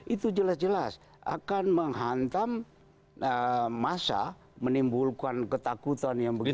itu jelas jelas akan menghantam massa menimbulkan ketakutan yang begitu